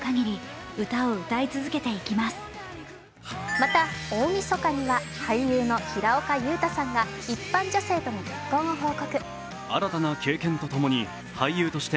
また大みそかには俳優の平岡祐太さんが一般女性との結婚を報告。